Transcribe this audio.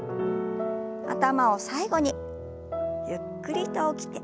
頭を最後にゆっくりと起きて。